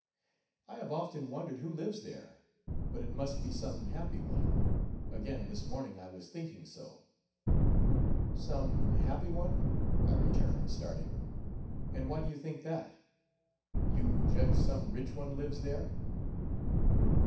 "I have often wondered who lives there; but it must be some happy one; again this morning was I thinking so." "Some happy one," returned I, starting; "and why do you think that? You judge some rich one lives there?"